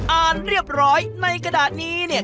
อ่านเรียบร้อยในกระดาษนี้เนี่ย